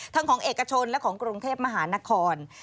ของเอกชนและของกรุงเทพมหานคร